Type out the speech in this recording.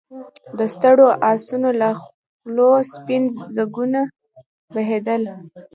د ستړو آسونو له خولو سپين ځګونه بهېدل.